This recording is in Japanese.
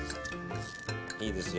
いいですよ。